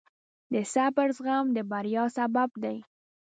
د صبر زغم د بریا سبب دی.